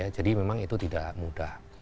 jadi memang itu tidak mudah